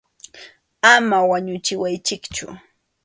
Ama wañuchiwaychikchu.